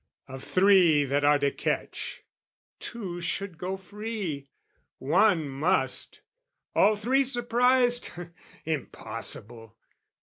"Of three that are to catch, two should go free, "One must: all three surprised, impossible!